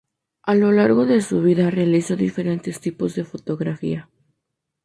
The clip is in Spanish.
A lo largo de su vida realizó diferentes tipos de fotografía.